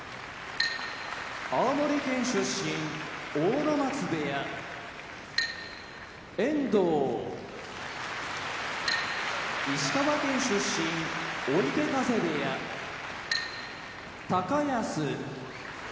青森県出身阿武松部屋遠藤石川県出身追手風部屋高安